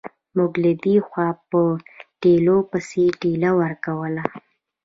موږ له دې خوا په ټېله پسې ټېله ورکوله.